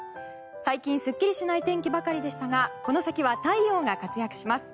最近、すっきりしない天気ばかりでしたがこの先は太陽が活躍します。